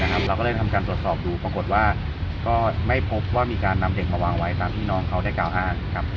เราก็เลยทำการตรวจสอบดูปรากฏว่าก็ไม่พบว่ามีการนำเด็กมาวางไว้ตามที่น้องเขาได้กล่าวอ้าง